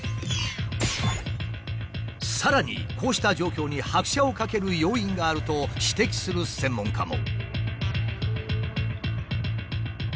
さらにこうした状況に拍車をかける要因があると指摘する専門家も。